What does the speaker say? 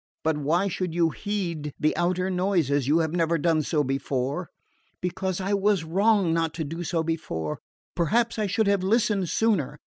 "But why should you heed the outer noises? You have never done so before." "Perhaps I was wrong not to do so before. Perhaps I should have listened sooner.